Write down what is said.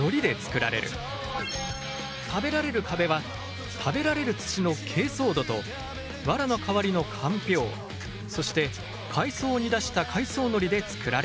食べられる壁は食べられる土の珪藻土と藁の代わりのかんぴょうそして海藻を煮出した海藻のりでつくられている。